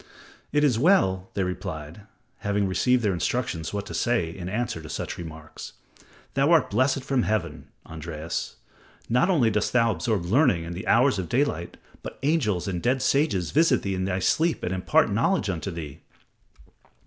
"It is well," they replied, having received their instructions what to say in answer to such remarks, "thou art blessed from Heaven, Andreas. Not only dost thou absorb learning in the hours of daylight, but angels and dead sages visit thee in they sleep and impart knowledge unto thee."